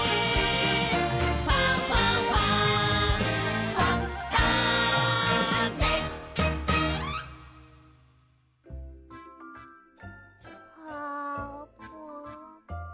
「ファンファンファン」あーぷん。